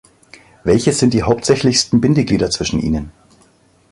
Welches sind die hauptsächlichsten Bindeglieder zwischen ihnen?